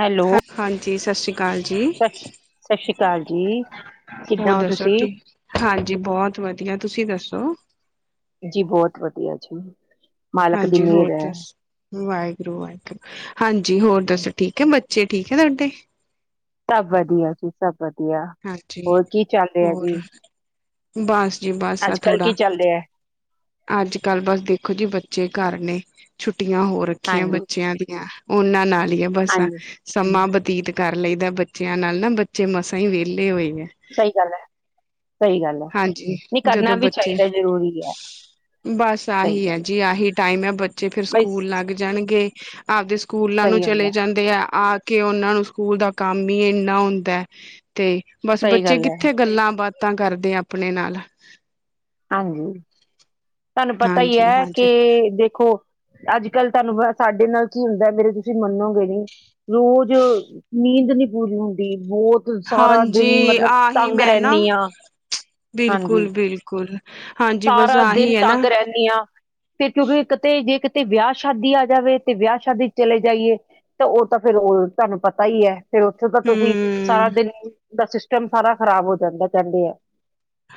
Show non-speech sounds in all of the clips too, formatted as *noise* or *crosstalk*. Hello. ਹਾਂ ਹਾਂਜੀ। ਸਤਿ ਸ੍ਰੀ ਅਕਾਲ ਜੀ। ਸਤਿ ਸ਼੍ਰੀ ਸਤਿ ਸ਼੍ਰੀ ਅਕਾਲ ਜੀ ਹੋਰ ਕਿੱਦਾਂ ਹੋ ਦੱਸੋ ਤੁਸੀਂ ਠੀਕ? ਹਾਂਜੀ। ਬਹੁਤ ਵਧੀਆ, ਤੁਸੀਂ ਦੱਸੋ? ਜੀ। ਬਹੁਤ ਵਧੀਆ ਜੀ। ਮਾਲਕ ਦੀ ਹਾਂਜੀ। ਹੋਰ ਮਿਹਰ ਹੈ ਦੱਸ। ਵਾਹਿਗੁਰੂ- ਵਾਹਿਗੁਰੂ ਹਾਂਜੀ, ਹੋਰ ਦੱਸ? ਠੀਕ ਹੈ ਬੱਚੇ। ਠੀਕ ਹੈ ਤੁਹਾਡੇ? ਸਭ ਵਧੀਆ ਜੀ। ਸਭ ਵਧੀਆ। ਹਾਂਜੀ ਹੋਰ ਕੀ ਚੱਲ ਰਿਹਾ ਹੋਰ ਜੀ? ਬਸ ਜੀ, ਬਸ ਆ ਅੱਜ ਕੱਲ ਥੋੜਾ ਕੀ ਚੱਲ ਰਿਹਾ ਹੈ? ਅੱਜ- ਕੱਲ੍ਹ ਬਸ ਦੇਖੋ ਜੀ। ਬੱਚੇ ਘਰ ਨੇ। ਛੁੱਟੀਆਂ ਹੋ ਰੱਖੀਆਂ ਹਾਂਜੀ ਬੱਚਿਆਂ ਦੀਆਂ। ਉਹਨਾਂ ਨਾਲ ਹੀ ਆ। ਬਸ ਹਾਂਜੀ ਸਮਾਂ ਬਤੀਤ ਕਰ ਲਈਦਾ ਬੱਚਿਆਂ ਨਾਲ ਨਾ ਬੱਚੇ ਮਸ ਤਾਈ ਵਿਹਲੇ ਹੋਇਆ ਐ। ਸਹੀ ਗੱਲ ਹੈ, ਸਹੀ ਗੱਲ ਹੈ, ਹਾਂਜੀ ਨਹੀਂ ਕਰਨਾ ਜਦੋਂ ਵੀ ਬੱਚੇ ਚਾਹੀਦਾ ਜ਼ਰੂਰੀ ਐ। ਬਸ ਆਹੀ ਹੈ ਜੀ ਆਹੀ ਟਾਈਮ ਹੈ ਬੱਚੇ ਫੇਰ ਬਈ ਸਕੂਲ ਲਗਾ ਸਹੀ ਜਾਣਗੇ ਆਪਦੇ ਸਕੂਲਾਂ ਨੂੰ ਗੱਲ ਹੈ ਚਲੇ ਜਾਂਦੇ ਆ ਕਿ ਉਹਨਾਂ ਨੂੰ ਸਕੂਲ ਦਾ ਕੰਮ ਹੀ ਇੰਨਾ ਹੁੰਦਾ ਤੇ ਬਸ ਸਹੀ ਬੱਚੇ ਗੱਲ ਹੈ ਕਿੱਥੇ ਗੱਲਾਂ-ਬਾਤ ਤਾਂ ਕਰਦੇ ਆ ਆਪਣੇ ਨਾਲ। ਹਾਂਜੀ, ਤੁਹਾਨੂੰ ਪਤਾ ਹੀ ਹਾਂਜੀ ਹੈ ਕੇ ਹਾਂਜੀ ਦੇਖੋ ਅੱਜ- ਕੱਲ੍ਹ ਤੁਹਾਨੂੰ ਪਤਾ ਸਾਡੇ ਨਾਲ ਕੀ ਹੁੰਦਾ, ਮੇਰੇ ਤੁਸੀਂ ਮਨੋਗਏ ਗਏ ਨੀ। ਰੋਜ਼ ਨੀਂਦ ਨੀ ਪੂਰੀ ਹੁੰਦੀ ਬਹੁਤ ਸਾਰਾ ਦਿਨ ਹਾਂਜੀ। ਮਤਲਬ ਆਹੀ ਤੰਗ ਮੈਂ ਨਾ। ਰਹਿੰਦੀ ਹਾਂ ਹਾਂਜੀ ਬਿਲਕੁਲ- ਬਿਲਕੁਲ। ਹਾਂਜੀ ਬਸ ਸਾਰਾ ਦਿਨ ਆਹੀ ਹੈ ਨਾ ਤੰਗ ਰਹਿੰਦੀ ਐ। ਫਿਰ ਕਿਉਂਕਿ ਕਿਤੇ ਜੇ ਕਿਤੇ ਵਿਆਹ ਸ਼ਾਦੀ ਆ ਜਾਵੇ ਤੇ ਵਿਆਹ ਸ਼ਾਦੀ ਤੋ ਚਲੇ ਜਾਈਏ। ਤੇ ਉਹ ਤਾਂ ਫੇਰ, ਉਹ ਤੁਹਾਨੂੰ ਪਤਾ ਈ ਐ। ਫਿਰ ਉੱਥੇ ਤਾਂ ਤੁਸੀਂ, ਹਮ ਸਾਰਾ ਦਿਨ ਦਾ ਸਿਸਟਮ ਸਾਰਾ ਖਰਾਬ ਹੋ ਜਾਂਦਾ, ਕਹਿੰਦੇ ਆ।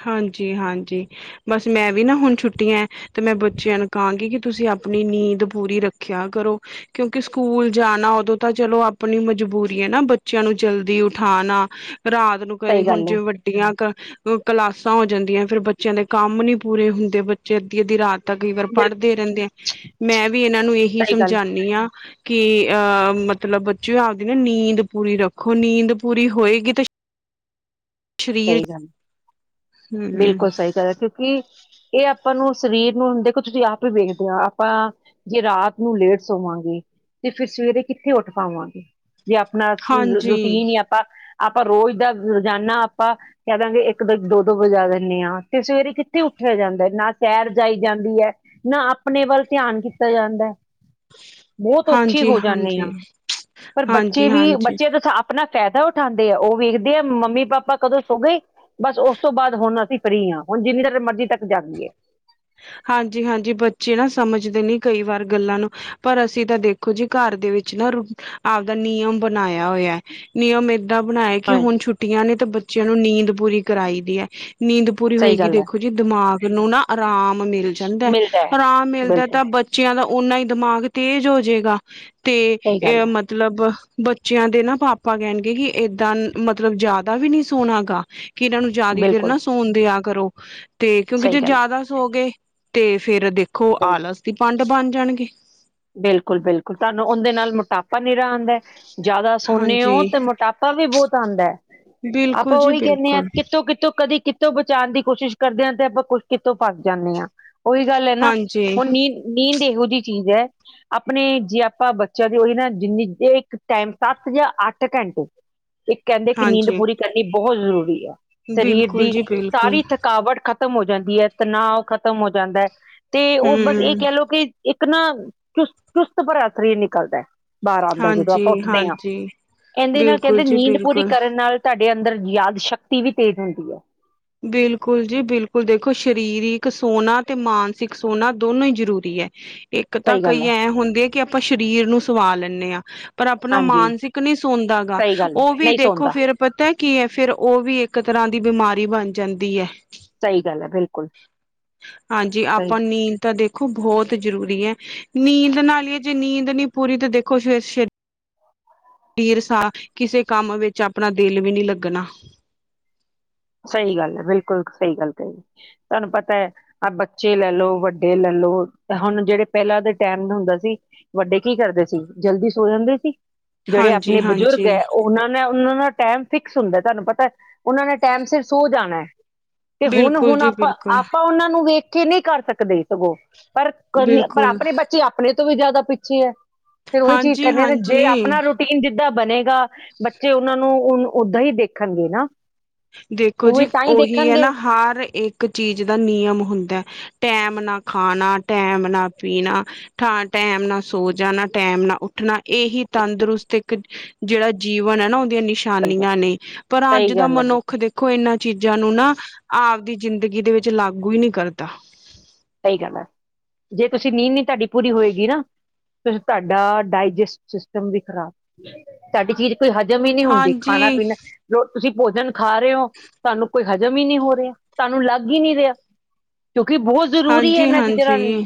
ਹਾਂਜੀ-ਹਾਂਜੀ, ਬਸ ਮੈਂ ਵੀ ਨਾ ਹੁਣ ਛੁੱਟੀਐਂ ਤੇ ''ਮੈਂ ਬੱਚਿਆਂ ਨੂੰ ਕਾਂਗੀ ਕਿ ਤੁਸੀ ਆਪਣੀ ਨੀਂਦ ਪੂਰੀ ਰੱਖਿਆ ਕਰੋ। ਕਿਉਂਕਿ ਸਕੂਲ ਜਾਨਾ, ਉਦੋਂ ਤਾਂ ਚਲੋ ਆਪਣੀ ਮਜਬੂਰੀ ਐ ਨਾ ਬੱਚਿਆਂ ਨੂੰ ਜਲਦੀ ਉਠਾਨਾ ਰ੍ਹਾਤ ਨੂੰ ਕਦੀ ਸਹੀ ਹੁਣ ਗੱਲ ਹੈ ਜਿਵੇਂ ਵੱਡੀਆਂ ਕ ਕਲਾਸਾਂ ਹੋ ਜਾਂਦੀਆਂ, ਫੇਰ ਬੱਚਿਆਂ ਦੇ ਕੰਮ ਨੀ ਪੂਰੇ ਹੁੰਦੇ ਬੱਚੇ ਅੱਧੀ-ਅੱਧੀ ਰਾਤ ਤਾ ਕਈ ਵਾਰ ਬਿਲਕੁਲ ਪੜਦੇ ਰੇਂਦੇ, ''ਮੈਂ ਵੀ ਇਹਨਾਂ ਨੂੰ ਇਹੀ ਸਹੀ ਗੱਲ ਸਮਝਾਂਨੀ ਆ ਕਿ, ਅਹ ਮਤਲਬ ਬੱਚੇਓ ਆਪਦੀ ਨ ਨੀਂਦ ਪੂਰੀ ਰੱਖੋ, ਨੀਂਦ ਪੂਰੀ ਹੋਏਗੀ ਤੇ ਸਰੀਰ ਸਹੀ ਗੱਲ, ਹੂੰ ਬਿਲਕੁਲ ਸਹੀ ਗੱਲ ਏ, ਕਿਉਕਿ ਏ ਆਪਾਂ ਨੂੰ ਸਰੀਰ ਨੂੰ, ਦੇਖੋ ਤੁਸੀ‌ ਆਪ ਵੀ ਵੇਖਦੇ ਆ, ਆਪਾ ਜੇ ਰਾਤ ਨੂੰ ਲੇਟ ਸੋਵਾਂਗੇ, ਤੇ ਫੇਰ ਸਵੇਰੇ ਕਿੱਥੇ ਓਠ ਪਾਵਾਂਗੇ। ਵੀ ਅਪਨਾ ਸ ਹਾਂਜੀ ਰੂਟੀਨ ਈ ਆਪਾ, ਆਪਾ ਰੋਜ ਦਾ ਰੋਜਾਨਾ ਆਪਾ ਕੈਦਾਂਗੇ ਏਕ ਦੇ-ਦੋ-ਦੋ ਵਜਾ ਦੇਨੇ ਆਂ, ਤੇ ਸਵੇਰੇ ਕਿੱਥੇ ਉੱਠੇਆ ਜਾਂਦਾ ਏ ਨਾ ਸੈਰ ਜਾਈ ਜਾਂਦੀ ਐ, ਨਾ ਆਪਨੇ ਵੱਲ ਧੇਆਨ ਕੀਤਾ ਜਾਂਦੈ‌। ਬੋਤ ਓਖੀ ਹਾਂਜੀ ਹੋ ਜਾਨੀ ਹਾਂਜੀ ਆਂ, ਪਰ ਬੱਚੇ ਹਾਂਜੀ ਵੀ, ਹਾਂਜੀ ਬੱਚੇ ਤਾ ਸ ਅਪਨਾ ਫੈਦਾ ਉਠਾਂਦੇ ਆ, ਓ ਵੇਖਦੇ ਆ ਮੰਮੀ-ਪਾਪਾ ਕਦੋਂ ਸੋ ਗਏ, ਬਸ ਓਸ ਤੋਂ ਬਾਦ ਹੁਨ ਅਸੀ ਫਰੀ ਆਂ, ਹੁਨ ਜਿੰਨੀ ਦੇਰ ਮਰਜੀ ਤੱਕ ਜਾਗੀਏ। ਹਾਂਜੀ ਹਾਂਜੀ, ਬੱਚੇ ਨਾ ਸਮਝਦੇ ਨੀ ਕਈ ਵਾਰ ਗੱਲਾ ਨੂੰ, ਪਰ ਅਸੀ ਤਾਂ ਦੇਖ ਦੇਖੋ ਜੀ ਘਰ ਦੇ ਵਿੱਚ ਨਾ ਰੂ ਆਪਦਾ ਨਿਯਮ ਬਣਾਏਆ ਹੋਏਆ, ਨਿਯਮ ਏ ਦਾ ਬਣਾਏ ਕਿ ਹੁਨ ਹਾਂਜੀ ਛੁੱਟੀਆਂ ਨੇ ਤੇ ਬੱਚੇਆਂ ਨੂੰ ਨੀਂਦ ਪੂਰੀ ਕਰਾਈ ਦੀ ਐ, ਨੀਂਦ ਪੂਰੀ ਸਹੀ ਹੋਏਗੀ ਗੱਲ ਹੈ ਦੇਖੋ ਜਿ ਦਿਮਾਗ ਨੂੰ ਨਾ ਅਰਾਮ ਮਿਲ ਜਾਂਦੈ। ਮਿਲਦਾ ਹੈ ਅਰਾਮ ਮਿਲਦਾ ਬਿਲਕੁਲ ਤਾਂ ਬੱ ਚੇਆਂ ਦਾ ਓਨਾ ਈ ਦਿਮਾਗ ਤੇਜ ਹੋਜੇਗਾ ਤੇ ਸਹੀ ਗੱਲ ਏ ਹੈ ਮਤ ਲਬ ਬੱਚੇਆਂ ਦੇ ਨਾ ਪਾਪਾ ਕੈਣਗੇ ਕਿ ਏਦਾਂ ਮਤਲਬ ਜਾਦਾ ਵੀ ਨੀ ਸੋਣਾ ਗਾ। ਕਿ ਏਨਾਂ ਨੂੰ ਜਾਦੀ ਦੇਰ ਬਿਲਕੁਲ ਨਾ ਸੋਣ ਦੇਆ ਕਰੋ ਤੇ ਕਿਉਂਕਿ ਸਹੀ ਜੇ ਗੱਲ ਹੈ ਜਾਦਾ ਸੋਗੇ ਤੇ ਫੇਰ ਦੇਖੋ ਸਹੀ ਆਲਸ ਦੀ ਪੰਡ ਬਣ ਜਾਣਗੇ। ਬਿਲਕੁਲ ਬਿਲਕੁਲ, ਤਾਨੂੰ ਓੰਦੇ ਨਾਲ ਮੋਟਾਪਾ ਨੀਰਾ ਆਂਦੈ। ਜਾਦਾ ਸੋਨੇ ਹਾਂਜੀ ਔ ਤੇ ਮੋਟਾਪਾ ਵੀ ਬੌਤ ਆਂਦੈ। ਆਪਾਂ ਬਿਲਕੁਲ ਜੀ ਓਈ ਕੈਨੇ ਆਂ ਬਿਲਕੁਲ ਕਿੱਤੋ-ਕਿੱਤੋ ਕਦੀ ਕਿ ਤੋ ਬਚਾਣ ਦੀ ਕੋਸ਼ਿਸ਼ ਕਰਦੇ ਆਂ ਤੇ ਆਪਾਂ ਕੁ ਕਿੱਤੋਂ ਫਸ ਜਾਨੇ ਆਂ। ਓਈ ਗੱਲ ਏ ਨਾ ਹਾਂਜੀ ਹੁਨ ਨੀਂਦ ਨੀਂਦ ਏਹੋ ਜੀ ਚੀਜ ਐ ਅਪਣੇ ਜੇ ਆਪਾਂ ਬੱਚੇਆਂ ਦੀ ਓਈ ਨਾ ਜਿੰਨੀ ਜੇ ਇੱਕ ਟਾਈਮ ਸੱਤ ਯਾ ਅੱਠ ਘੰਟੇ ਤੇ ਕੈੰਦੇ ਕਿ ਨੀਂਦ ਹਾਂਜੀ ਪੂਰੀ ਕਰਨੀ ਬੋਹਤ ਜਰੂਰੀ ਆ। ਸਰੀਰ ਬਿਲਕੁਲ ਦੀ ਜੀ ਬਿਲਕੁਲ ਸਾਰੀ ਥਕ ਕਾਵਟ ਖਤਮ ਹੋ ਜਾਂਦੀ ਐ, ਤਨਾਵ ਖਤਮ ਹੋ ਜਾਂਦੈ, ਤੇ ਓਹ ਬਸ ਏ ਹਮ ਕੈ ਲਓ ਕਿ ਇੱਕ ਨਾ ਚੁਸਤ ਚੁਸਤ ਭਰਾ ਸ਼ਰੀਰ ਨਿਕਲਦਾ ਐ। ਬਾਰ ਆਂਦਾ ਐ ਜਦੋਂ ਆਪਾਂ ਹਾਂਜੀ ਉੱਠਦੇ ਆਂ। ਹਾਂਜੀ ਐਂਦੇ ਨਾਲ ਬਿਲਕੁਲ ਕੈੰਦੇ ਜੀ ਨੀਂਦ ਪੂਰੀ ਬਿਲਕੁਲ ਕਰਨ ਨਾਲ ਤਾਡੇ ਅੰਦਰ ਯਾਦ ਸ਼ਕਤੀ ਵੀ ਤੇਜ ਹੁੰਦੀ ਐ। ਬਿਲਕੁਲ ਜੀ ਬਿਲਕੁਲ, ਦੇਖੋ ਸਰੀਰਕ ਸੋਨਾ ਤੇ ਮਾਨਸਿਕ ਸੋਨਾ ਦੋਨੋ ਈ ਜਰੂਰੀ ਐ। ਇੱਕ ਤਾਂ ਸਹੀ ਗੱਲ ਕਈ ਹੈ ਐਂ ਹੁੰਦੇ ਕਿ ਆਪਾਂ ਸ਼ਰੀਰ ਨੂੰ ਸਵਾ ਲੇਨੇ ਆਂ। ਪਰ ਅਪਨਾ ਹਾਂਜੀ ਮਾਨਸਿਕ ਨੀ ਸੋਂਦਾ ਗਾ, ਸਹੀ ਗੱਲ ਹੈ ਓ ਵੀ ਨਹੀਂ ਦੇਖੋ ਸੌਦਾ ਫੇਰ ਪਤੈ ਕੀ ਐ ਫੇਰ ਔ ਵੀ ਏਕ ਤਰਾਂ ਦੀ ਬੀਮਾਰੀ ਬਣ ਜਾਂਦੀ ਐ। ਸਹੀ ਗੱਲ ਹੈ ਬਿਲਕੁਲ ਹਾਂਜੀ। ਸਹੀ ਆਪਾਂ ਨੀੰਦ ਤਾਂ ਦੇਖ ਖੋ ਬਹੋਤ ਜਰੂਰੀ ਐ। ਨੀਂਦ ਨਾਲ ਈ ਏ ਜੇ ਨੀਂਦ ਨੀ ਪੂਰੀ ਤੇ ਦੇਖੋ ਫੇ ਸੇ਼ ਟੀਰਸਾ ਕਿਸੇ ਕੰਮ ਵੇਚ ਆਪਣਾ ਦੇਲ ਵੀ ਨੀ ਲੱਗਣਾ। ਸਈ ਗੱਲ ਐ। ਬਿਲਕੁਲ ਸਈ ਗੱਲ ਕਈ। ਤਾਨੂੰ ਪਤਾ ਐ ਆ ਬੱਚੇ ਲੈ ਲਓ, ਵੱਡੇ ਲੈ ਲਓ ਹੁਣ ਜੇੜੇ ਪੈਲਾਂ ਦੇ ਟੈਮ ਹੁੰਦਾ ਸੀ। ਵੱਡੇ ਕੀ ਕਰਦੇ ਸੀ। ਜਲਦੀ ਸੋ ਜਾਂਦੇ ਸੀ। ਜੇੜੇ ਹਾਂਜੀ ਅਪਣੇ ਬਜੁਰਗ ਹਾਂਜੀ ਐ ਓਨਾਂ ਓਨਾਂ ਦਾ ਟੈਮ ਫਿਕਸ ਹੁੰਦਾ ਐ ਤਾਨੂੰ ਪਤਾ ਐ। ਓਨਾਂ ਨੇ ਟੈਮ ਸਿਰ ਸੋ ਜਾਣਾ ਐ। ਤੇ ਹੁਨ ਬਿਲਕੁਲ ਹੁਨ ਜੀ ਆਪਾਂ ਬਿਲਕੁਲ ਆਪਾਂ ਓਨਾਂ ਨੂੰ ਵੇਖ ਕੇ ਨੀ ਕਰ ਸਕਦੇ ਸਗੋਂ। ਪਰ ਕਰਨੇ ਬਿਲਕੁਲ ਅਪਣੇ ਬੱਚੇ ਅਪਣੇ ਤੋਂ ਵੀ ਜਾਦਾ ਪਿੱਛੇ ਐ। ਫੇਰ ਓਹੀ ਚੀਜ ਹਾਂਜੀ ਕਰਨੇ ਆਂ ਜੇ ਹਾਂਜੀ ਆਪਣਾ ਰੁਟ ਟੀਨ ਜਿੱਦਾਂ ਬਨੇਗਾ। ਬੱਚੇ ਓਨਾਂ ਨੂੰ ਉਨ ਓਦਾਂ ਈ ਦੇਖਣਗੇ ਨਾ ਦੇਖੋ ਉਵੇਂ ਜੀ ਤਾਂ ਹੀ ਓਹੀ ਐ ਦੇਖਣਗੇ ਨਾ ਹਰ ਇੱਕ ਚੀਜ ਦਾ ਨਿਯਮ ਹੁੰਦਾ ਐ। ਟੈਮ ਨਾ ਖਾਨਾ ਟੈਮ ਨਾ ਪੀਣਾ। ਠਾ ਟੈਮ ਨਾ ਸੋ ਜਾਣਾ ਟੈਮ ਨਾ ਉੱਠਣਾ ਇਹੀ ਤੰਦਰੁਸਤ ਇੱਕ ਜਿਹੜਾ ਜੀਵਨ ਐ ਨਾ ਉਹਦੀਆਂ ਸਹੀ ਗੱਲ ਨਿਸ਼ਾਨੀਆਂ ਨੇ, ਪਰ ਅੱਜ ਸਹੀ ਦਾ ਗੱਲ ਹੈ ਮਨੁੱ ਬਿਲਕੁਲ ਦੇਖੋ ਇਹਨਾਂ ਚੀਜ਼ਾਂ ਨੂੰ ਨਾ ਆਪਦੀ ਜ਼ਿੰਦਗੀ ਦੇ ਵਿੱਚ ਲਾਗੂ ਈ ਨੀ ਕਰਦਾਂ। ਸਹੀ ਗੱਲ ਹੈ, ਜੇ ਤੁਸੀਂ ਨੀਂਦ ਨੀ ਤੁਹਾਡੀ ਪੂਰੀ ਹੋਏਗੀ ਨਾ ਫੇਰ ਤੁਹਾਡਾ ਡਾਇਜਸਟ ਸਿਸਟਮ ਵੀ ਖ਼ਰਾਬ, ਤੁਹਾਡੀ ਚੀਜ਼ ਕੋਈ ਹਜ਼ਮ ਹੀ ਨੀ ਹੁੰਦੀ ਖਾਣਾ ਹਾਂਜੀ ਪੀਨਾ, ਜੋ ਤੁਸੀਂ ਭੋਜਨ ਖਾ ਰੇ ਔ, ਤੁਹਾਨੂੰ ਕੋਈ ਹਜ਼ਮ ਹੀ ਨੀ ਹੋ ਰਿਹਾਂ, ਤੁਹਾਨੂੰ ਲੱਗ ਹੀ ਨੀਂ ਰਿਆ ਕਿਉਂਕਿ ਬਹੁਤ ਜ਼ਰੂਰੀ ਹੈ ਹਾਂਜੀ ਇਹਨਾਂ ਚੀਜ਼ਾਂ ਹਾਂਜੀ ਨਾਲ,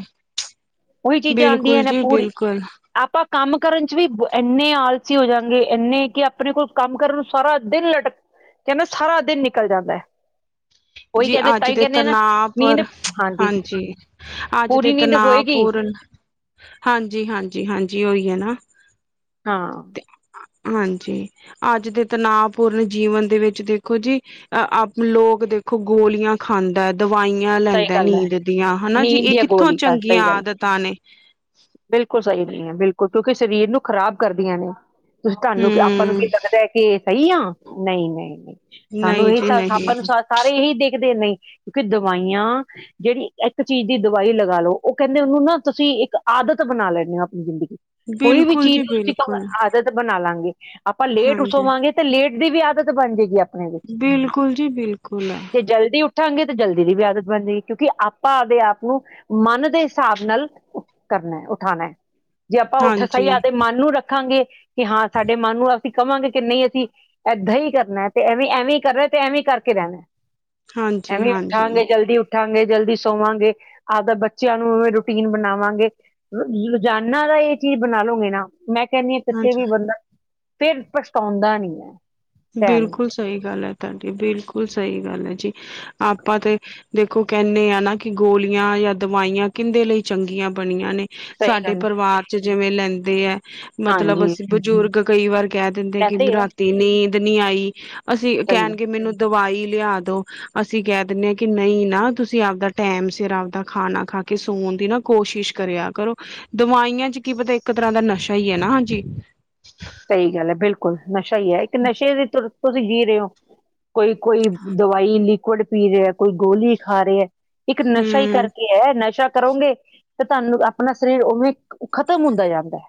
ਉਹੀ ਚੀਜ਼ਾਂ ਆਉਂਦੀਆਂ ਬਿਲਕੁਲ ਨੇ ਜੀ ਪੂਰੀ ਬਿਲਕੁਲ ਆਪਾਂ ਕੰਮ ਕਰਨ ਚ ਵੀ ਏਨੇ ਆਲਸੀ ਹੋਜਾਂਗੇ, ਏਨੇ ਕਿ ਆਪਣੇ ਕੋਲ ਕੰਮ ਕਰਨ ਨੂੰ ਸਾਰਾ ਦਿਨ ਲਟਕ ਕਹਿੰਦੇ ਸਾਰਾ ਦਿਨ ਨਿਕਲ ਜਾਂਦਾ ਐ। ਜੀ ਅੱਜ ਦੇ ਤਾ ਨਾ ਪਰ, ਹਾਂਜੀ ਅੱਜ ਤੇ ਪੂਰੀ ਨੀਂਦ ਤਨਾਅ ਹੋਏਗੀ ਪੂਰਨ, ਹਾਂਜੀ -ਹਾਂਜੀ -ਹਾਂਜੀ ਉਹੀ ਆ ਨਾ ਹਾਂ। ਤੇ ਹਾਂਜੀ। ਅੱਜ ਦੇ ਤਨਾਅ ਪੂਰਨ ਜੀਵਨ ਦੇ ਵਿੱਚ ਦੇਖੋ ਜੀ, ਅਹ ਆਪ ਲੋਕ ਦੇਖੋ ਖ ਗੋਲੀਆਂ ਖਾਂਦਾ ਦਵਾਈਆਂ ਸਹੀ ਲੈਂਦਾ, ਗੱਲ ਹੈ ਨੀਂਦ ਦੀਆਂ ਹਨਾ ਜੀ ਨੀਂਦ ਇਹ ਦੀਆਂ ਕਿੱਥੋਂ ਗੋਲੀ ਹਾਂ ਚੰਗੀਆਂ ਸਹੀ ਗੱਲ ਹੈ। ਆਦਤ ਤਾ ਨੇ। ਬਿਲਕੁਲ ਸਹੀ ਨਹੀਂ ਐ, ਬਿਲਕੁਲ ਕਿਉਂਕਿ ਸ਼ਰੀਰ ਨੂੰ ਖਰਾਬ ਕਰਦੀਆਂ ਨੇ। ਤੁਸੀਂ ਤੁਹਾਂਨੂੰ ਆਪਾਂ ਨੂੰ ਹਮ ਕੀ ਲੱਗਦਾ ਕਿ ਸਹੀ ਆ, ਨਹੀਂ- ਨਹੀਂ- ਨਹੀਂ। ਸਾਨੂੰ ਨਹੀਂ ਇਹੀ ਜੀ ਸਭ ਨਹੀਂ ਆਪਾਂ ਨੂੰ ਸਾਰੇ ਇਹੀ ਦੇਖਦੇ ਨੇ, ਕਿਉਂਕਿ ਦਵਾਈਆਂ ਜਿਹੜੀ ਇੱਕ ਚੀਜ਼ ਦੀ ਦਵਾਈ ਲਗਾ ਲਓ, ਉਹ ਕਹਿੰਦੇ ਉਹਨੂੰ ਨਾ ਤੁਸੀਂ ਇੱਕ ਆਦਤ ਬਣਾ ਲੇਨੇ ਆ ਆਪਣੀ ਜ਼ਿੰਦਗੀ ਕੋਈ ਵੀ ਬਿਲਕੁਲ ਚੀਜ਼ ਜੀ ਨੂੰ ਤੁਸੀਂ ਕਹੋ ਬਿਲਕੁਲ ਆਦਤ ਬਣਾ ਲਾਂਗੇ ਆਪਾਂ ਲੇਟ ਹਾਂਜੀ ਉਠਵਾਂਗੇ। ਤੇ ਲੇਟ ਦੀ ਵੀ ਆਦਤ ਬਣ ਜਾਏਗੀ ਆਪਣੇ ਵਿੱਚ, ਬਿਲਕੁਲ ਜੀ ਬਿਲਕੁਲ ਹੈ ਜੇ ਜਲਦੀ ਉਠ ਉੱਠਾਂਗੇ ਤੇ ਜਲਦੀ ਦੀ ਵੀ ਆਦਤ ਬਣ ਜਾਏਗੀ, ਕਿਉਂਕਿ ਆਪਾਂ ਆਪਦੇ ਆਪ ਨੂੰ ਮਨ ਦੇ ਹਿਸਾਬ ਨਾਲ ਕਰਨਾ ਏ ਉਠਾਉਣਾ ਏ, ਜੇ ਆਪਾਂ ਉਠ ਸਹੀ ਹਾਂਜੀ ਆਵਦੇ ਮਨ ਨੂੰ ਰੱਖਾਂਗੇ। ਕਿ ਹਾਂ ਸਾਡੇ ਮਨ ਨੂੰ ਅਸੀਂ ਕਵਾਗੇ ਕਿ ਨਹੀਂ ਅਸੀਂ ਏਦਾਂ ਹੀ ਕਰਨਾ ਤੇ, ਐਵੇਂ- ਐਵੇਂ ਹੀ ਕਰੋ ਤੇ ਐਵੇਂ ਕਰਕੇ ਰਹਿਣਾ ਐ। ਹਾਂਜੀ ਐਵੇਂ ਹਾਂਜੀ ਉਠਾਗੇ ਹਾਂਜੀ ਜਲਦੀ ਉਠ ਉਠਾਂਗੇ ਜਲਦੀ ਸੋਵਾਂਗੇ, ਆਪਦਾ ਬੱਚਿਆਂ ਨੂੰ ਵੀ ਰੂਟੀਨ ਬਣਾਵਾਂਗੇ। ਰੋਜ਼ਾਨਾ ਦਾ ਇਹ ਚੀਜ਼ ਬਣਾ ਲਉਗੇ ਨਾ ਮੈਂ ਕਹਿੰਨੀ ਆ ਕਿੱਤੇ ਵੀ ਬੰਦਾਂ ਫਿਰ ਪਛਤਾਉਂਦਾ ਨੀ ਐ। ਬਿਲਕੁਲ ਸਹੀ ਗੱਲ ਹੈ ਤੁਹਾਡੀ ਬਿਲਕੁਲ ਸਹੀ ਗੱਲ ਐ ਜੀ, ਆਪਾਂ ਤੇ ਦੇਖੋ ਕਹਿੰਨੇ ਆ ਨਾ ਕਿ ਗੋਲੀਆਂ ਜਾਂ ਦਵਾਈਆਂ ਕਿਹਦੇ ਲਈ ਚੰਗੀਆਂ ਬਣੀਆਂ ਨੇ ਸਹੀ ਸਾਡੇ ਗੱਲ ਹੈ। ਪਰਿਵਾਰ ਚ ਜਿਵੇਂ ਲੈਂਦੇ ਐ, ਮਤਲਬ ਹਾਂਜੀ ਅਸੀਂ ਬਜ਼ੁਰਗ ਕਈ ਵਾਰ ਕਹਿ ਦਿੰਦੇ ਕਿ ਲੈਂਦੇ ਹੈ ਰਾਤੀ ਨੀਂਦ ਨੀ ਆਈ ਅਸੀਂ ਸਹੀ ਹੈ ਕਹਿਣਗੇ ਮੈਨੂੰ ਦਵਾਈ ਲਿਆ ਦੋ। ਅਸੀਂ ਕਹਿ ਦਿੰਨੇ ਆ ਕਿ ਨਹੀਂ ਨਾ ਤੁਸੀਂ ਆਪਦਾ ਟੈਮ ਸਿਰ ਆਪਦਾ ਖਾਣਾ ਖਾ ਕੇ ਸੋਣ ਦੀ ਨਾ ਕੋਸ਼ਿਸ਼ ਕਰਿਆ ਕਰੋ, ਦਵਾਈਆਂ ਚ ਕੀ ਪਤਾ ਇੱਕ ਤਰਾਂ ਦਾ ਨਸ਼ਾ ਹੀ ਐ ਨਾ ਜੀ। ਸਹੀ ਗੱਲ ਹੈ, ਬਿਲਕੁਲ ਨਸ਼ਾ ਹੀ ਐ ਇੱਕ ਨਸ਼ੇ ਦੀ ਤੁਰ ਤੁਸੀਂ ਜੀਅ ਰੇ ਔ। ਕੋਈ- ਕੋਈ ਦਵਾਈ ਲਿਕਵਡ ਪੀ ਰਿਹਾਂ, ਕੋਈ ਗੋਲੀ ਖਾ ਰਿਆ, ਇੱਕ ਨਸ਼ਾ ਹੀ ਹਮ ਕਰਕੇ ਹੈ ਨਸ਼ਾ ਕਰੋਂਗੇ ਤੇ ਤੁਹਾਨੂੰ ਆਪਣਾ ਸਰੀਰ ਉਵੇਂ ਖਤਮ ਹੁੰਦਾ ਜਾਂਦਾ ਐ।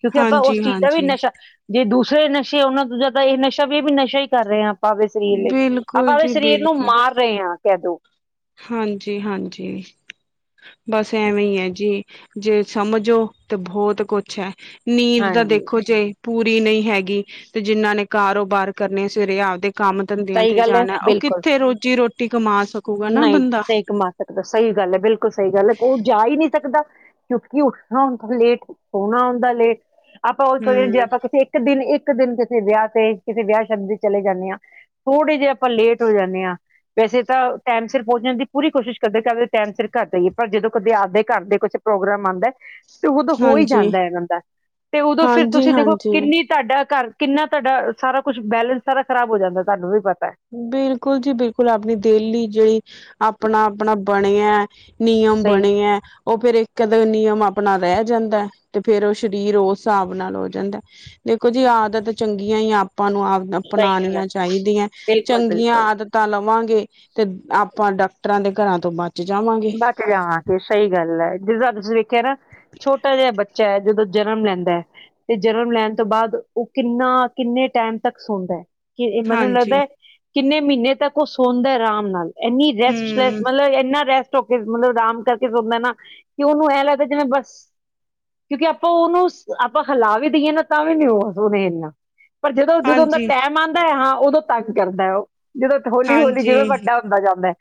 ਕਿਉਂਕਿ ਆਪਾਂ ਹਾਂਜੀ ਉਸ ਚੀਜ਼ ਦਾ ਵੀ ਹਾਂਜੀ ਨਸ਼ਾ ਜੇ ਦੂਸਰੇ ਨਸ਼ੇ ਉਹਨਾਂ ਤੋਂ ਜ਼ਿਆਦਾ ਇਹ ਨਸ਼ਾ ਵੀ- ਵੀ ਨਸ਼ਾ ਹੀ ਕਰ ਰੇ ਆ ਆਪਾਂ ਆਪਦੇ ਸਰੀਰ ਲਈ, ਆਪਾਂ ਬਿਲਕੁਲ ਆਪਦੇ ਜੀ ਸਰੀਰ ਨੂੰ ਮਾਰ ਰੇ ਆ ਕਹਿ ਦੋ। ਹਾਂਜੀ-ਹਾਂਜੀ ਬਸ ਐਵੇਂ ਈ ਐ ਜੀ। ਜੇ ਸਮਝੋ ਤੇ ਬੋਤ ਕੁਛ ਐ, ਨੀਂਦ ਦਾ ਹਾਂਜੀ ਦੇਖੋ ਜੇ ਪੂਰੀ ਨਈਂ ਹੈਗੀ ਤੇ ਜਿੰਨਾਂ ਨੇ ਕਾਰੋਬਾਰ ਕਰਨੇ ਸਵੇਰੇ ਆਪਦੇ ਕੰਮ ਧੰਦਿਆਂ ਸਹੀ ਤੇ ਗੱਲ ਹੈ ਜਾਨੈ ਓ ਕਿੱਥੇ ਰੋਜ਼ੀ ਰੋਟੀ ਕਮਾ ਸਕ ਨਈਂ-ਨਈਂ ਕਮਾ ਸਕਦਾ ਸਈ ਗੱਲ ਐ ਬਿਲਕੁਲ ਸਈ ਗੱਲ ਐ ਓ ਜਾ ਈ ਨੀ ਸਕਦਾ। ਕਿਓਂਕਿ ਉੱਠਨਾ ਹੁੰਦਾ ਲੇਟ ਸੋਨਾ ਹੁੰਦਾ ਲੇਟ ਆਪਾਂ ਓਈ ਕਈਏ ਜੇ ਹਮ ਆਪਾਂ ਕਿਸੇ ਇੱਕ ਦਿਨ ਇੱਕ ਦਿਨ ਕਿਸੇ ਵਿਆ ਤੇ ਕਿਸੇ ਵਿਆ ਸ਼ਾਦੀ ਤੇ ਚਲੇ ਜਾਂਦੇ ਆਂ। ਥੋੜੇ ਜੇ ਆਪਾਂ ਲੇਟ ਹੋ ਜਾਂਨੇ ਆਂ, ਵੈਸੇ ਤਾਂ ਟੈਮ ਸਿਰ ਪੌਂਚਨ ਦੀ ਪੂਰੀ ਕੋਸ਼ਿਸ਼ ਕਰਦੇ ਆਂ ਕਿਓਂਕਿ ਟੈਮ ਸਿਰ ਘਰ ਜਾਈਏ ਪਰ ਜਦੋਂ ਕਦੇ ਆਪਦੇ ਘਰ ਦੇ ਕਿਸੇ ਪ੍ਰੋਗਰਾਮ ਆਂਦਾ ਤੇ ਓਦੋਂ ਹੋ ਈ ਹਾਂਜੀ ਜਾਂਦੈ ਬੰਦਾ, ਤੇ ਓਦੋਂ ਫਿਰ ਹਾਂਜੀ ਤੁਸੀਂ ਦੇਖੋ ਹਾਂਜੀ ਕਿੰਨੀ ਤਾਡਾ ਘਰ ਕਿੰਨਾ ਤਾਡਾ ਸਾਰਾ ਕੁਛ ਬੈਲੈਂਸ ਸਾਰਾ ਖਰਾਬ ਹੋ ਜਾਂਦਾ ਤਾਨੂੰ ਵੀ ਪਤਾ। ਬਿਲਕੁਲ ਜੀ ਬਿਲਕੁਲ ਆਪਨੀ ਡੇਲੀ ਜੇੜੀ ਆਪਨਾ-ਆਪਨਾ ਬਨੇਐ। ਨਿਯਮ ਸਹੀ ਬਨੇ ਐ। ਓ ਫੇਰ ਇੱਕਦਮ ਨਿਯਮ ਆਪਨਾ ਰੈ ਜਾਂਦਾ ਤੇ ਫੇਰ ਓ ਸਰੀਰ ਓਸ ਸਾਬ ਨਾਲ ਹੋ ਜਾਂਦੈ। ਦੇਖੋ ਜੀ ਆਦਤ ਚੰਗੀਆਂ ਈ ਆਪਾਂ ਨੂੰ ਸਹੀ ਗੱਲ ਹੈ, ਅਪਨਾਨੀਆਂ ਚਾਈਦੀਆਂ ਚੰਗੀਆਂ ਆ ਬਿਲਕੁਲ-ਬਿਲਕੁਲ ਆਦਤਾਂ ਲਵਾਂਗੇ ਤੇ ਆਪਾਂ ਡਾਕਟਰਾਂ ਦੇ ਘਰਾਂ ਤੋਂ ਬਚ ਜਾਵਾਂਗੇ। ਬਚ ਜਾਵਾਂਗੇ ਸਈ ਗੱਲ ਐ ਜਿੱਦਾਂ ਤੁਸੀਂ ਵੇਖਿਆ ਨਾ ਛੋਟਾ ਜਿਆ ਬੱਚੈ ਜਦੋਂ ਜਨਮ ਲੈਂਦਾ ਤੇ ਜਨਮ ਲੈਨ ਤੋਂ ਬਾਦ ਓ ਕਿੰਨਾ ਕਿੰਨੇ ਟੈਮ ਤੱਕ ਸੌਂਦੈ। ਕੀ ਏ ਮੈਨੂੰ ਹਾਂਜੀ ਲੱਗਦਾ ਕਿੰਨੇ ਮੀਨੇ ਤੱਕ ਓ ਸੌਂਦੈ ਆਰਾਮ ਨਾਲ। ਏਨੀ ਰੈਸਟ ਰੈਸ ਹਮ ਮਤਲਬ ਐਨਾ ਰੈਸਟ *unintelligible* ਮਤਲਬ ਆਰਾਮ ਕਰਕੇ ਸੌਂਦਾ ਨਾ ਕੇ ਓਨੂੰ ਐਂ ਲੱਗਦਾ ਜਿਵੇਂ ਬਸ ਕਿਓਂਕਿ ਆਪਾਂ ਓਨੂੰ ਆਪਾਂ ਹਿਲਾ ਵੀ ਦਈਏ ਨਾ ਤਾਂ ਵੀ ਨੀ ਓਨੇ ਹਿਲਨਾ ਪਰ ਜਦੋਂ-ਜਦੋਂ ਓਦਾ ਹਾਂਜੀ ਟੈਮ ਆਂਦਾ ਹਾਂ ਓਦੋਂ ਤੰਗ ਕਰਦਾ ਐ ਓ ਜਦੋਂ ਹੋਲੀ-ਹੋਲੀ ਜਿਵੇਂ ਹਾਂਜੀ ਵੱਡਾ ਹੁੰਦਾ ਜਾਂਦਾ,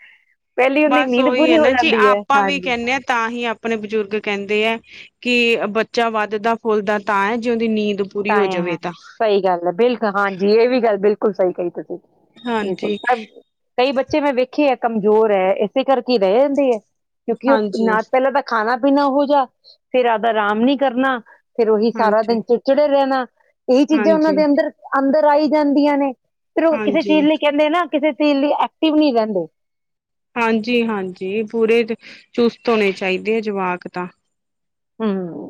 ਪੈਲੀ ਹੁੰਦੀ ਨੀਂਦ ਕੀ ਐ ਪੂਰੀ ਹੋ ਨਾ ਜੀ ਜਾਂਦੀ ਹੈ ਆਪਾਂ ਵੀ ਹਾਂਜੀ ਕੈਨੇ ਆਂ ਤਾਂਹੀ ਆਪ ਆਪਨੇ ਬਜ਼ੁਰਗ ਕੈਂਦੇ ਐ, ਕੇ ਬੱਚਾ ਵੱਧਦਾ ਫੁੱਲਦਾ ਤਾਂ ਐ ਜੇ ਓਦੀ ਨੀਂਦ ਪੂਰੀ ਹੋ ਤਾਂਏ ਹੈਂ, ਜਾਵੇ ਤਾਂ ਸਈ ਗੱਲ ਐ ਬਿਲਕੁਲ ਹਾਂਜੀ ਏ ਵੀ ਗੱਲ ਬਿਲਕੁਲ ਸਈ ਕਈ ਤੁਸੀਂ। ਹਾਂਜੀ *inaudible* ਕਈ ਬੱਚੇ ਮੈਂ ਵੇਖੇ ਐ ਕਮਜ਼ੋਰ ਐ ਏਸੇ ਕਰਕੇ ਈ ਰੈ ਜਾਂਦੇ ਹਐ, ਕਿਓਂਕਿ ਓ ਹਾਂਜੀ ਨਾ ਪਹਿਲਾਂ ਤਾਂ ਖਾਨਾ ਪੀਨਾ ਓਹੋ ਜਾ, ਫੇਰ ਅਬਦਾ ਰਾਮ ਨੀ ਕਰਨਾ, ਫੇਰ ਓਹੀ ਸਾਰਾ ਹਾਂਜੀ ਦਿਨ ਚ ਜੜੇ ਰੈਨਾ ਇਹੀ ਚੀਜ਼ਾਂ ਓਨਾਂ ਹਾਂਜੀ ਦੇ ਅੰਦਰ-ਅੰਦਰ ਆਈ ਜਾਂਦੀਆਂ ਨੇ। ਫੇਰ ਓ ਕਿਸੇ ਹਾਂਜੀ ਚੀਜ਼ ਲਈ ਕੈਂਦੇ ਨਾ ਕਿਸੇ ਚੀਜ਼ ਲਈ ਐਕਟਿਵ ਨੀ ਰੈਂਦੇ। ਹਾਂਜੀ-ਹਾਂਜੀ ਪੂਰੇ ਚੁਸਤ ਹੋਨੇ ਚਾਈਦੇ ਆ ਜਵਾਕ ਤਾਂ। ਹੂੰ,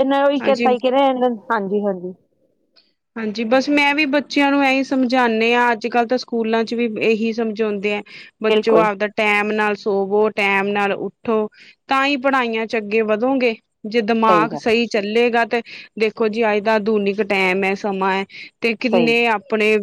ਏਨਾਂ ਓਈ ਕੈਤਾ ਹਾਂਜੀ ਈ ਕਿ ਏਨਾਂ ਹਾਂਜੀ-ਹਾਂਜੀ। ਹਾਂਜੀ ਬਸ ਮੈਂ ਵੀ ਬੱਚਿਆਂ ਨੂੰ ਐਈਂ ਸਮਝਾਨੇ ਆਂ ਅੱਜ-ਕੱਲ ਤਾਂ ਸਕੂਲਾਂ ਚ ਵੀ ਏਹੀ ਸਮ ਚੋਂਦੇ ਐ ਬੱਚੋ ਬਿਲਕੁਲ ਆਪਦਾ ਟ ਟੈਮ ਨਾਲ ਸੋਵੋ ਟੈਮ ਨਾਲ ਉੱਠੋ ਤਾਂਈ ਪੜਾਈਆਂ ਚ ਅੱਗੇ ਵਧੋਗੇ। ਜੇ ਸਹੀ ਦਮਾਗ ਗੱਲ ਸਈ ਚੱਲੇਗਾ ਤੇ ਦੇਖੋ ਜੀ ਅੱਜ ਦਾ ਆਧੁਨਿਕ ਟੈਮ ਐ ਸਮਾਂ ਐ। ਤੇ ਸਹੀ ਕਿੰਨੇ ਅਪ ਆਪਨੇ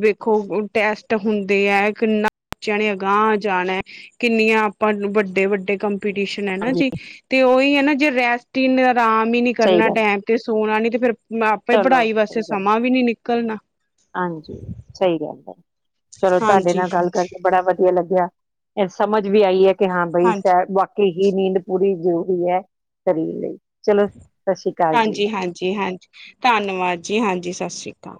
ਵੇਖੋ ਟੈਸਟ ਹੁੰਦੇ ਐ ਕਿੰਨਾ ਬੱਚਿਆਂ ਨੇ ਅਗਾਂਹ ਜਾਨੈ। ਕਿੰਨੀਆਂ ਆਪਾਂ ਨੂੰ ਵੱਡੇ-ਵੱਡੇ ਕੰਮ ਕੰਮਪੀਟੀਸ਼ਨ ਐ ਨਾ ਹਾਂਜੀ ਜੀ ਤੇ ਓਈ ਐ ਨਾ ਜੇ ਰੈਸਟ ਈ ਆਰਾਮ ਈ ਨੀ ਸਹੀ ਕਰਨਾ ਗੱਲ ਟੈਮ ਤੇ ਸੋਨਾ ਨੀ ਤੇ ਫੇਰ ਆਪੇ ਚਲੋ ਪੜਾਈ ਵਾਸਤੇ ਸਹੀ ਗੱਲ ਸਮਾਂ ਵੀ ਨੀ ਨਿਕਲਨਾ। ਹਾਂਜੀ ਸਈ ਗੱਲ ਐ ਚਲੋ ਤੁਆਡੇ ਹਾਂਜੀ ਨਾਲ ਗੱਲ ਕਰਕੇ ਬੜਾ ਵਦੀਆ ਲੱਗੇਆ। ਐਹ ਸਮਝ ਵੀ ਆਈ ਐ ਕਿ ਹਾਂ ਬਈ ਹਾਂਜੀ ਸੈ ਬਾਕਈ ਨੀਂਦ ਪੂਰੀ ਜ਼ਰੂਰੀ ਐ ਸਰੀਰ ਲਈ। ਚਲੋ ਸਤਿ ਸ੍ਰੀ ਅਕਾਲ ਜੀ। ਹਾਂਜੀ ਹਾਂਜੀ, ਹਾਂਜੀ। ਧੰਨਵਾਦ ਜੀ, ਹਾਂਜੀ ਸਤਿ ਸ੍ਰੀ ਅਕਾਲ।